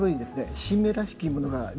新芽らしきものが見えます。